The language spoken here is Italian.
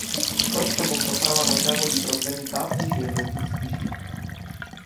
Questo comportava notevoli problemi tattici e logistici.